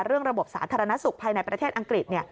ระบบสาธารณสุขภายในประเทศอังกฤษ